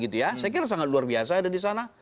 saya kira sangat luar biasa ada di sana